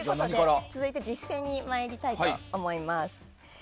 続いて実践に参りたいと思います。